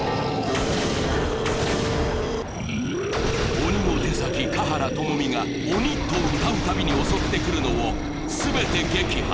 鬼の手先、華原朋美が鬼と歌うたびに襲ってくるのを全て撃破。